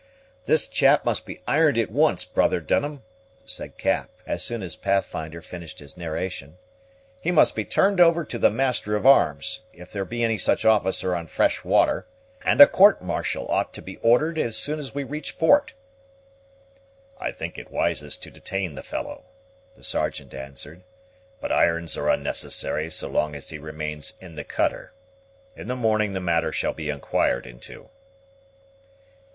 "This chap must be ironed at once, brother Dunham," said Cap, as soon as Pathfinder finished his narration; "he must be turned over to the master at arms, if there is any such officer on fresh water, and a court martial ought to be ordered as soon as we reach port." "I think it wisest to detain the fellow," the Sergeant answered; "but irons are unnecessary so long as he remains in the cutter. In the morning the matter shall be inquired into."